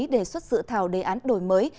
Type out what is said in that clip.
để xuất sự thảo đề án đổi mới